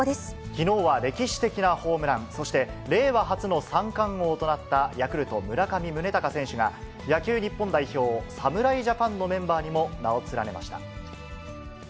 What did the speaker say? きのうは歴史的なホームラン、そして令和初の三冠王となったヤクルト、村上宗隆選手が、野球日本代表、侍ジャパンのメンバーにも名を連ねました。